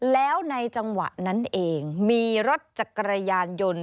แล้วในจังหวะนั้นเองมีรถจักรยานยนต์